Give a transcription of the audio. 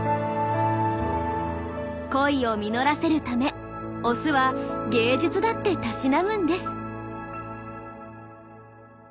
恋を実らせるためオスは芸術だってたしなむんです。